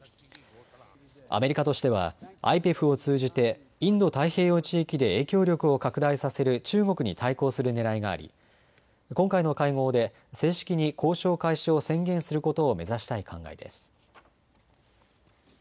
アメリカとしてはＩＰＥＦを通じてインド太平洋地域で影響力を拡大させる中国に対抗するねらいがあり今回の会合で正式に交渉開始を宣言することを目指したい考えです。